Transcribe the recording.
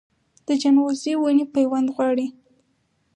د ځنغوزي ونې پیوند غواړي؟